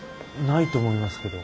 ないと思いますけど。